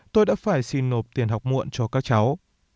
tôi đã phải xin nộp tiền học muộn cho các cháu